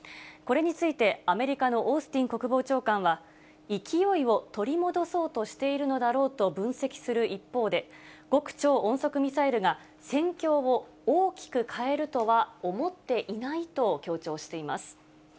これについて、アメリカのオースティン国防長官は、勢いを取り戻そうとしているのだろうと分析する一方で、極超音速ミサイルが、戦況を大きく変えるとは思っていないと強調しています。